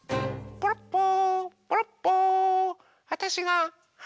ポロッポー。